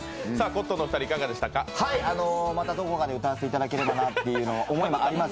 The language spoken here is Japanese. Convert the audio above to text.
またどこかで歌わせていただければなという思いもあります。